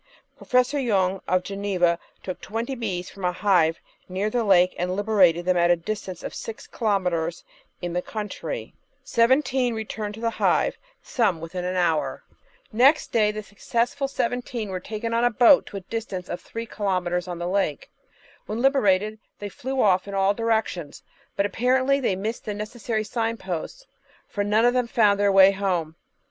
Professor Yung of Geneva took twenty bees from a hive near the lake and liberated them at a distance of six kilometres in the country. Seventeen returned to the hive, some within an hour. ' J. Arthur Thomson, SeereU of Anknal lAfe^ 514 The Outline of Science Next day the successful seventeen were taken on a boat to a dis tance of three kilometres on the lake. When liberated they flew off in all directions, but apparently they missed the necessary signposts, for none of them found their way home.